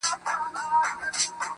هغه لونگ چي شعر وايي سندرې وايي_